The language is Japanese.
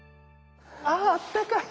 ああったかい。